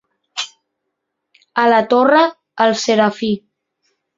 A la Torre, el serafí.